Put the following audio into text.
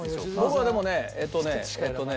僕はでもねえっとね。